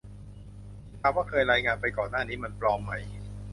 ถามว่าที่เคยรายงานไปก่อนหน้านี้มันปลอมไหม